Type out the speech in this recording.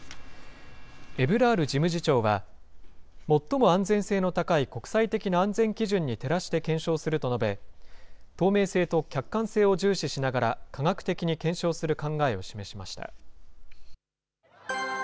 エブラール事務次長は、最も安全性の高い国際的な安全基準に照らして検証すると述べ、透明性と客観性を重視しながら、科学的に検証する考えを示しました。